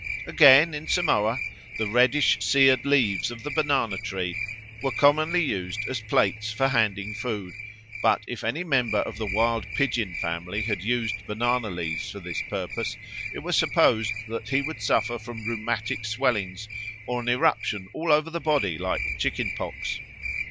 Again, in Samoa the reddish seared leaves of the banana tree were commonly used as plates for handing food; but if any member of the Wild Pigeon family had used banana leaves for this purpose, it was supposed that he would suffer from rheumatic swellings or an eruption all over the body like chicken pox.